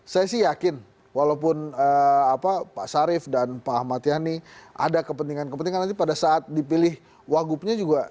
saya sih yakin walaupun pak sarif dan pak ahmad yani ada kepentingan kepentingan nanti pada saat dipilih wagubnya juga